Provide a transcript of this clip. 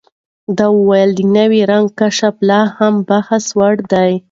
ده وویل، د نوي رنګ کشف لا هم بحثوړ دی.